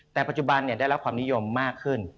แต่ปัจจุบันเนี่ยได้แล้วความนิยมมากขึ้น